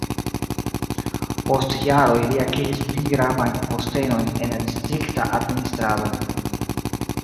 Post jaroj li akiris pli gravajn postenojn en la distrikta administrado.